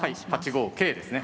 五桂ですね。